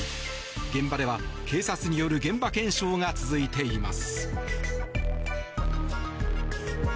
現場では警察による現場検証が続いています。